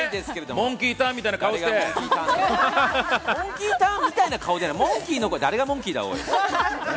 モンキーターンみたいな顔じゃない、モンキー誰がモンキーだ！